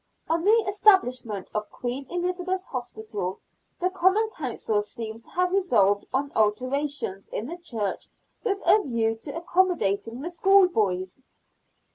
On the establishment of Queen Elizabeth's Hospital, the Common Council seems to have resolved on alterations in the ehurch with a view to accommodating the schoolboys.